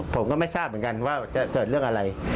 ผมก็ไม่ทราบเหมือนกันว่าจะเกิดเรื่องอะไร